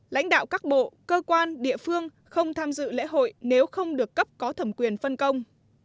lãnh đạo các bộ cơ quan địa phương không tham dự lễ hội nếu không được cấp có thẩm quyền phân công